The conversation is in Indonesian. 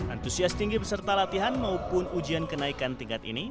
antusias tinggi peserta latihan maupun ujian kenaikan tingkat ini